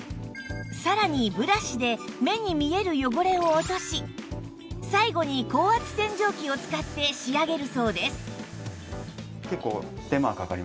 さらにブラシで目に見える汚れを落とし最後に高圧洗浄機を使って仕上げるそうです